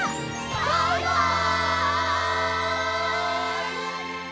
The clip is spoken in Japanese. バイバイ！